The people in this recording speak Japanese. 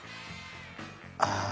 ああ。